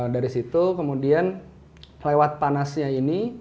dari situ kemudian lewat panasnya ini